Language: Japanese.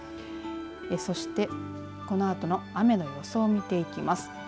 そして、このあとの雨の予想を見ていきます。